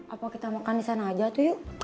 apa kita makan di sana aja tuh yuk